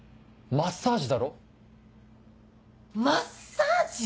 マッサージ？